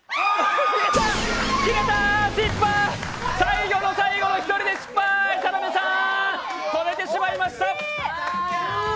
最後の最後の１人で失敗、田辺さーん、止めてしまいました。